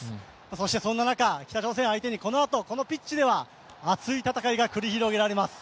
そしてそんな中、北朝鮮相手にこのあとこのピッチでは熱い戦いが繰り広げられます。